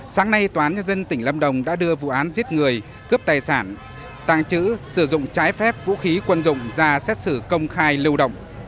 sáng nay tòa án nhân dân tỉnh lâm đồng đã đưa vụ án giết người cướp tài sản tàng trữ sử dụng trái phép vũ khí quân dụng ra xét xử công khai lưu động